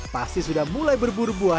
pasti sudah mulai berburu buah